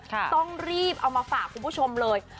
ต้องรีบเอามาฝากคุณผู้ชมเลย